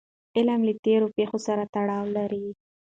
غم له تېرو پېښو سره تړاو لري.